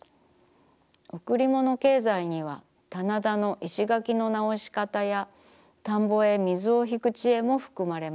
経済には棚田の石垣の直し方や田んぼへ水をひく知恵もふくまれます。